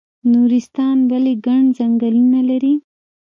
نورستان ولې ګڼ ځنګلونه لري؟